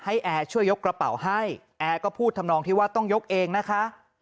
แอร์ช่วยยกกระเป๋าให้แอร์ก็พูดทำนองที่ว่าต้องยกเองนะคะ